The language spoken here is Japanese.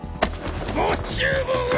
ご注文は！？